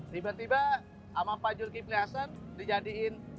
tiba tiba sama pak jurgi plihason dijadikan